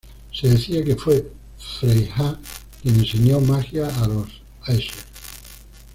Se decía que fue Freyja quien enseñó magia a los Æsir.